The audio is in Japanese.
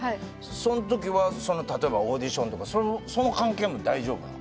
そんときは例えばオーディションとかその関係も大丈夫なん？